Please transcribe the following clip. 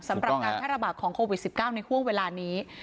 สำหรับการแพร่ระบาดของโควิด๑๙ในห่วงเวลานี้